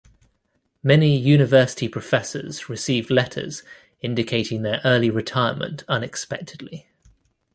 Many University professors received letters indicating their early retirement unexpectedly.